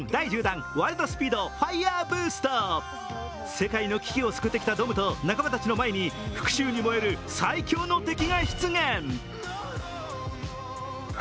世界の危機を救ってきたドムと仲間たちの前に復しゅうに燃える最強の敵が出現。